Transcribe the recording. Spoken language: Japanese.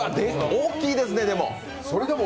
大きいですね、でも。